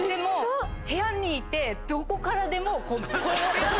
部屋にいてどこからでもこの。